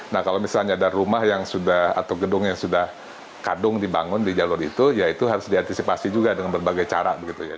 nah kalau misalnya ada rumah yang sudah atau gedung yang sudah kadung dibangun di jalur itu ya itu harus diantisipasi juga dengan berbagai cara begitu ya